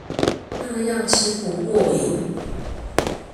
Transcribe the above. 那樣吃不過癮